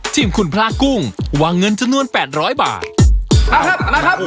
ทิมขุมภลากุ้งวางเงินจน้วยแบบแปดร้อยบาทนะครับ